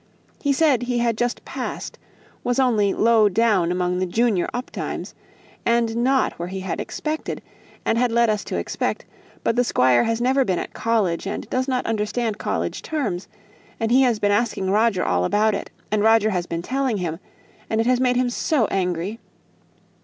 He said he had just passed, but was only low down among the junior optimes, and not where he had expected, and had led us to expect. But the Squire has never been at college, and does not understand college terms, and he has been asking Roger all about it, and Roger has been telling him, and it has made him so angry.